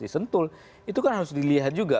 disentul itu kan harus dilihat juga